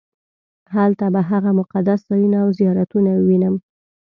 هلته به هغه مقدس ځایونه او زیارتونه ووینم.